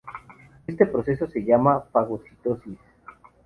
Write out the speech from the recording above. Este proceso se llama fagocitosis.